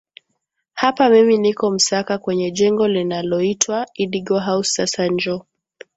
hapa mimi niko msaka kwenye jengo linaloitwa idigo house sasa njoo